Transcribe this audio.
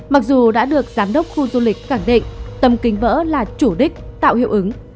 mặc dù đã được giám đốc khu du lịch khẳng định tầm kính vỡ là chủ đích tạo hiệu ứng